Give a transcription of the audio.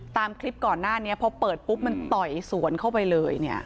ตามคลิปก่อนหน้านี้พอเปิดปุ๊บมันต่อยสวนเข้าไปเลยเนี่ย